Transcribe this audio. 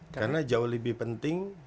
karena jauh lebih penting